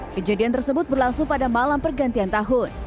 kejadian tersebut berlangsung pada malam pergantian tahun